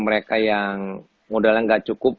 mereka yang modalnya nggak cukup